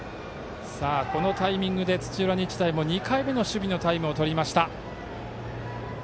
このタイミングで土浦日大も２回目の守備のタイム。